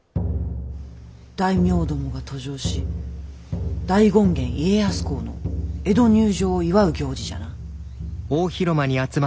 大名どもが登城し大権現家康公の江戸入城を祝う行事じゃな。